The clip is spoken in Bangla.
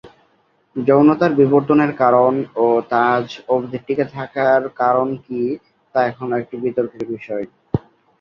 যৌনতার বিবর্তনের কারণ ও তা আজ অবধি টিকে থাকার কারণ কি তা এখনো একটি বিতর্কের বিষয়।